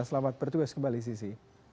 selamat bertugas kembali sissy